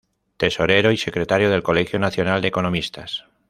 Tesorero y Secretario del Colegio Nacional de Economistas.